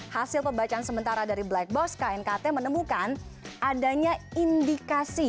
hasil pembacaan sementara dari black box knkt menemukan adanya indikasi